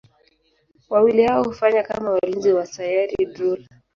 Wawili hao hufanya kama walinzi wa Sayari Drool.